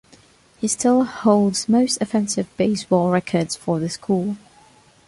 He still holds most offensive baseball records for the school.